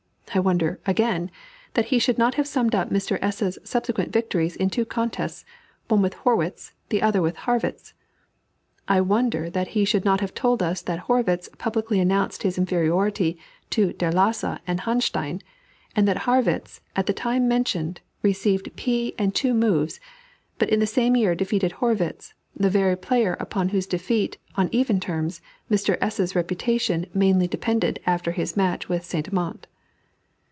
I wonder, again, that he should not have summed up Mr. S.'s subsequent victories in two contests, one with Hörwitz, the other with Harrwitz. I wonder that he should not have told us that Hörwitz publicly announced his inferiority to Der Lasa and Hanstein, and that Harrwitz at the time mentioned received P and two moves, but in the same year defeated Hörwitz, the very player upon whose defeat, on even terms, Mr. S.'s reputation mainly depended after his match with St. Amant.